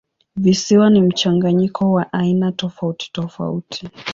Visiwa ni mchanganyiko wa aina tofautitofauti.